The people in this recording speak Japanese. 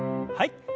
はい。